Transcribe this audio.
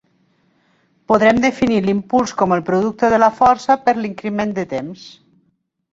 Podrem definir l'impuls com el producte de la força per l'increment de temps.